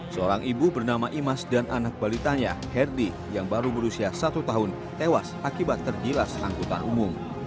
seorang ibu bernama imas dan anak balitanya herdi yang baru berusia satu tahun tewas akibat tergilas angkutan umum